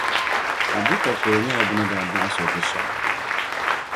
Abu Takoro nyɛla bɛ ni daa dɔɣi so Gushɛɣu.